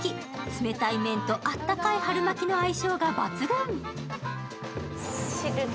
冷たい麺とあったかい春巻きの相性が抜群。